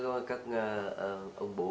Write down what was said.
dù các ông bố